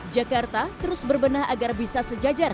jakarta terus berbenah agar bisa sejajar